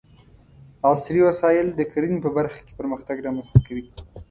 عصري وسايل د کرنې په برخه کې پرمختګ رامنځته کوي.